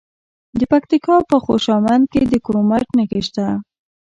د پکتیکا په خوشامند کې د کرومایټ نښې شته.